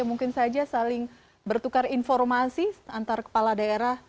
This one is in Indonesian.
mungkin saja saling bertukar informasi antar kepala daerah